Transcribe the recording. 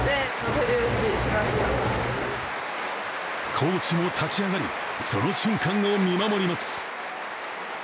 コーチも立ち上がり、その瞬間を見守ります。